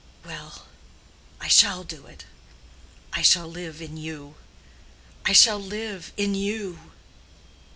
Well, I shall do it. I shall live in you. I shall live in you."